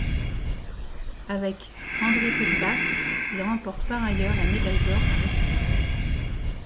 Avec Andrés Olivas, il remporte par ailleurs la médaille d'or par équipe.